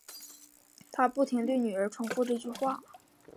她不停对女儿重复这句话